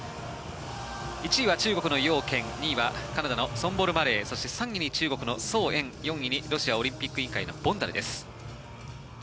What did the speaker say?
１位は中国のヨウ・ケン２位はカナダのソンボル・マレーそして、３位に中国のソウ・エン４位にロシアオリンピック委員会のボンダルです。